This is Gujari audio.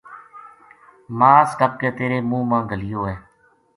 ماس کپ کے تیرے منہ ما گھلیو ہے‘‘